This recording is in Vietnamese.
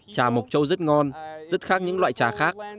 chà mộc châu rất ngon rất khác những loại chà khác